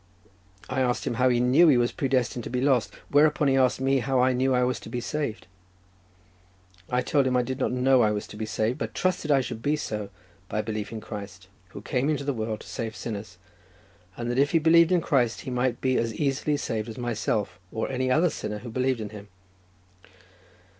I asked him how he knew he was predestined to be lost; whereupon he asked me how I knew I was to be saved; I told him I did not know I was to be saved, but trusted I should be so by belief in Christ, who came into the world to save sinners, and that if he believed in Christ he might be as easily saved as myself, or any other sinner who believed in Him.